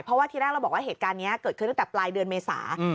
เพราะว่าที่แรกเราบอกว่าเหตุการณ์นี้เกิดขึ้นตั้งแต่ปลายเดือนเมษา